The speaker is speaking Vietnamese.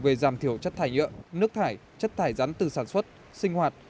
về giảm thiểu chất thải nhựa nước thải chất thải rắn từ sản xuất sinh hoạt